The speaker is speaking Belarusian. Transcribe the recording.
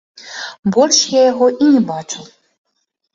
Больш я яго і не бачыў.